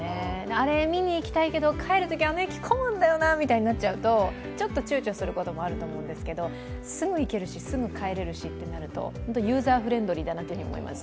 あれ見にいきたいけど帰るときあの駅混むんだよなってことがあるとちょっとちゅうちょすることもあると思うんですけどすぐ行けるしすぐ帰れるととなるとユーザーフレンドリーだなと思います。